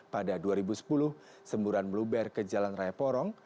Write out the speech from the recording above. pada dua ribu sepuluh semburan meluber ke jalan raya porong